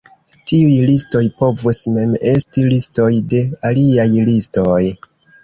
Tiuj listoj povus mem esti listoj de aliaj listoj.